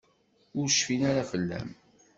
Ur cfin ara fell-am.